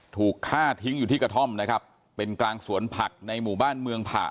ถูกฆ่าทิ้งอยู่ที่กระท่อมนะครับเป็นกลางสวนผักในหมู่บ้านเมืองผ่า